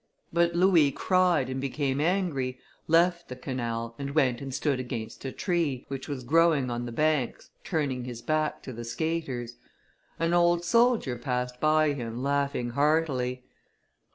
But Louis cried, and became angry, left the canal, and went and stood against a tree, which was growing on the banks, turning his back to the skaters. An old soldier passed by him, laughing heartily.